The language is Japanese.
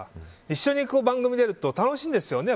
一緒に番組に出ると楽しいんですよね。